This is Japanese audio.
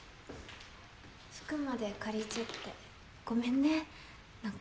服まで借りちゃってごめんね何か。